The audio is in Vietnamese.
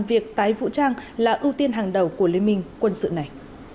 việc tái vũ trang là ưu tiên hàng đầu của liên minh quân sự này